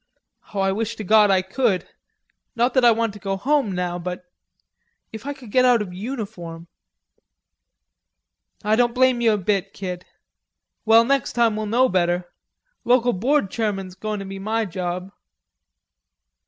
"Oh, I wish to God I could. Not that I want to go home, now, but ... if I could get out of uniform." "I don't blame ye a bit, kid; well, next time, we'll know better.... Local Board Chairman's going to be my job."